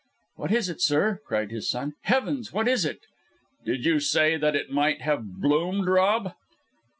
"What is it, sir?" cried his son. "Heavens! what is it?" "Did you say that it might have bloomed, Rob?"